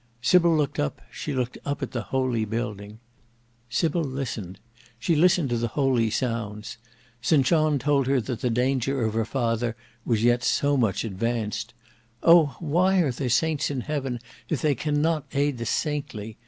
Sybil looked up: she looked up at the holy building. Sybil listened: she listened to the holy sounds. St John told her that the danger of her father was yet so much advanced. Oh! why are there saints in heaven if they cannot aid the saintly!